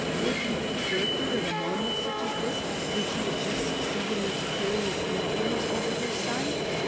Would he desert her at a moment such as this, when she had just succeeded in securing his influence over her son